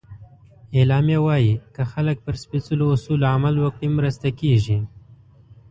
اعلامیه وایي که خلک پر سپیڅلو اصولو عمل وکړي، مرسته کېږي.